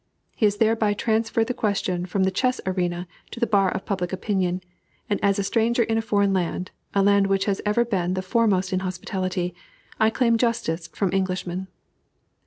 He has thereby transferred the question from the chess arena to the bar of public opinion, and as a stranger in a foreign land a land which has ever been the foremost in hospitality I claim justice from Englishmen.